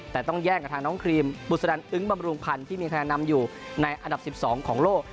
แต่ต้องแย่งกับทางน้องครีมบุษดันอึ้งบำรุงพันธ์ที่มีคะแนนนำอยู่ในอันดับ๑๒ของโลก